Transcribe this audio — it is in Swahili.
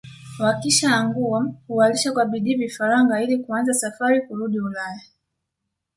Wakishaangua huwalisha kwa bidii vifaranga ili kuanza safari kurudi Ulaya